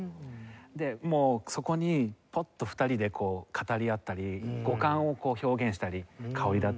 でもうそこにポッと２人で語り合ったり五感をこう表現したり香りだったり。